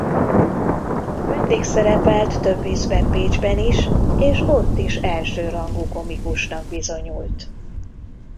Vendégszerepelt több ízben Bécsben is és ott is elsőrangú komikusnak bizonyult.